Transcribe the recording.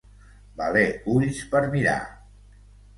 Valer ulls per mirar.